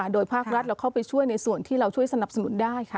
โดยภาครัฐเราเข้าไปช่วยในส่วนที่เราช่วยสนับสนุนได้ค่ะ